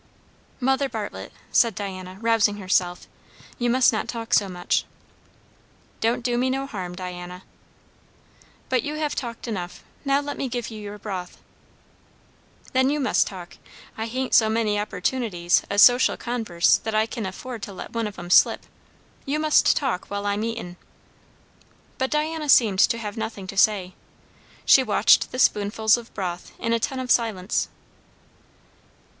"Mother Bartlett," said Diana, rousing herself, "you must not talk so much." "Don't do me no harm, Diana." "But you have talked enough. Now let me give you your broth." "Then you must talk. I hain't so many opportunities o' social converse that I kin afford to let one of 'em slip. You must talk while I'm eatin'." But Diana seemed to have nothing to say. She watched the spoonfuls of broth in attentive silence.